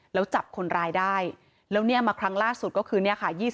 แล้วจับคนร้ายได้แล้วเนี่ยมาครั้งล่าสุดก็คือเนี่ยค่ะ